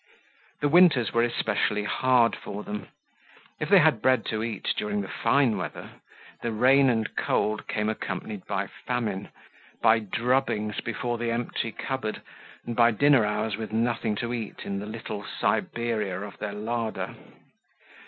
The winters were especially hard for them. If they had bread to eat during the fine weather, the rain and cold came accompanied by famine, by drubbings before the empty cupboard, and by dinner hours with nothing to eat in the little Siberia of their larder.